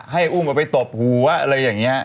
ให้อุ้มเอาไปตบหัวอะไรอย่างนี้